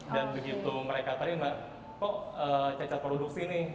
dan begitu mereka teringat kok cacat produksi nih